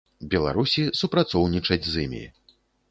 Беларусі супрацоўнічаць з імі.